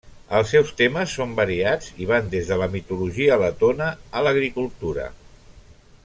Els seus temes són variats i van des de la mitologia letona a l'agricultura.